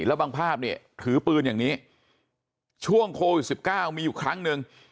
แล้วบางภาพถือปืนอย่างนี้ช่วงโควิด๑๙มีอีกครั้งนึง